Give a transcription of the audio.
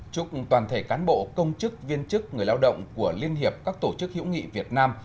chúc toàn thể cán bộ công chức viên chức người lao động của liên hiệp các tổ chức hữu nghị việt nam